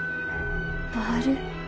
バール！？